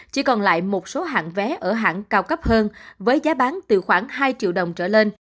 chỉ còn lại một số hạng vé ở hãng cao cấp hơn với giá bán từ khoảng hai triệu đồng trở lên